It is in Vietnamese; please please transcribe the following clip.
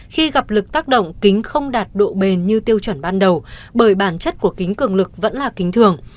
khi gặp lực tác động kính không đạt độ bền như tiêu chuẩn ban đầu bởi bản chất của kính cường lực vẫn là kính thường